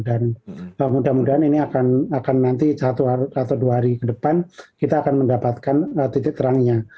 dan mudah mudahan ini akan nanti satu atau dua hari ke depan kita akan mendapatkan titik terangnya